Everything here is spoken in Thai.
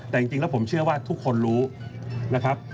แต่จริงแล้วผมเชื่อว่าทุกคนรู้นะครับ